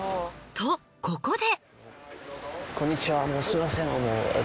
とここで。